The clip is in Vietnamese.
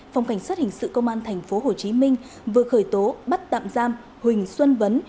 phòng cảnh sát hình sự công an tp hcm vừa khởi tố bắt tạm giam huỳnh xuân vấn